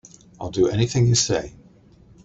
I'll do anything you say.